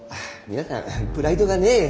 皆さんプライドがね。